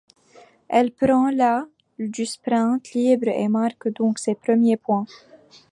Elle prend la du sprint libre et marque donc ses premiers points.